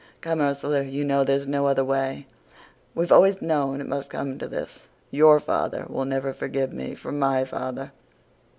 Come, Ursula, you know there's no other way. We've always known it must come to this. YOUR father will never forgive me for MY father.